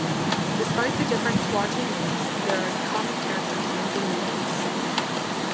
Despite the different squadron names, there are common characters linking the books.